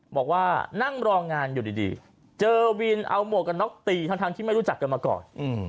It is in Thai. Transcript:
บอกว่านั่งรองานอยู่ดีเจอวินเอาหมวกกันน็อกตีทั้งที่ไม่รู้จักกันมาก่อน